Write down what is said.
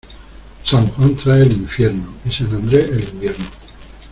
San Juan trae el infierno, y San Andrés el invierno.